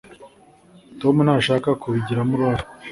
tom ntashaka kubigiramo uruhare